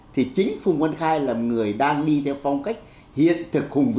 thì chính phùng văn khai là người đang đi theo phong cách hiện thực